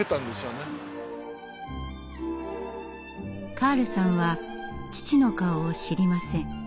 カールさんは父の顔を知りません。